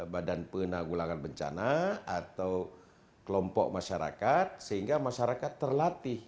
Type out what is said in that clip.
badan penanggulangan bencana atau kelompok masyarakat sehingga masyarakat terlatih